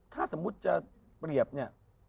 ถ้าสมมุติจะเปรียบเนี่ย